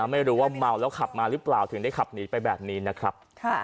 ไม่รู้ว่าเมาแล้วขับมาหรือเปล่าถึงได้ขับหนีไปแบบนี้นะครับ